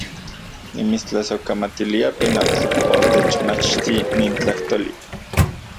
¡Nimitstlasojkamatilia, pinotl, otechmachti nin tlajtoli!